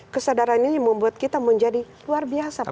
kesadaran ini membuat kita menjadi luar biasa